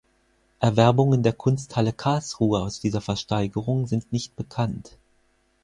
Erwerbungen der Kunsthalle Karlsruhe aus dieser Versteigerung sind nicht bekannt.